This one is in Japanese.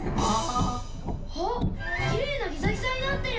あっきれいなギザギザになってる！